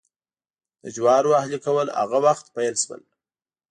د جوارو اهلي کول هغه وخت پیل شول.